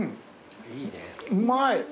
うまい！